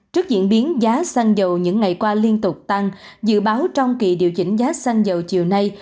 trước diễn biến giá xăng dầu những ngày qua liên tục tăng dự báo trong kỳ điều chỉnh giá xăng dầu chiều nay